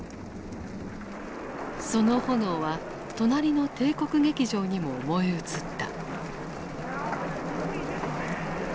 その炎は隣の帝国劇場にも燃え移った。